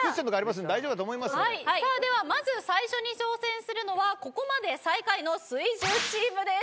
では、まず最初に挑戦するのはここまで最下位の水１０チームです。